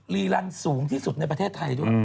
รีลันสูงที่สุดในประเทศไทยด้วย